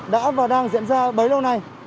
đã và đang diễn ra bấy lâu nay